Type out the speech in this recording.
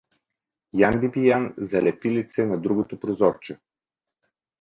Ян Бибиян залепи лице на другото прозорче.